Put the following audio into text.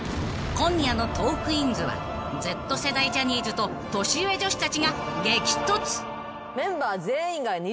［今夜の『トークィーンズ』はＺ世代ジャニーズと年上女子たちが激突］